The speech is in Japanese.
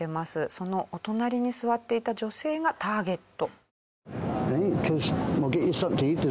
そのお隣に座っていた女性がターゲット。